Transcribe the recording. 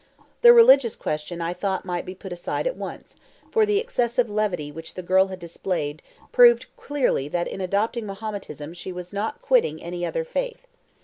The religious question I thought might be put aside at once, for the excessive levity which the girl had displayed proved clearly that in adopting Mahometanism she was not quitting any other faith.